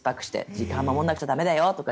時間を守らなくちゃ駄目だよとか